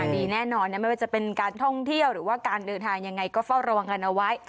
ดีแน่นอนไม่ว่าจะเป็นการท่องเที่ยวหรือว่าการเดินทางยังไงก็เฝ้าระวังกันเอาไว้